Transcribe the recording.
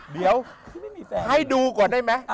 เดี๋ยวให้ดูก่อนได้ไหม